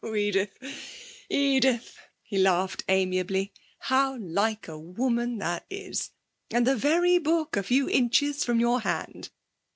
Oh, Edith, Edith!' he laughed amiably. 'How like a woman that is! And the very book a few inches from your hand!